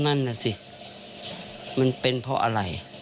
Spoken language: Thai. ก็นั่นใช่มันเป็นเพราะอะไร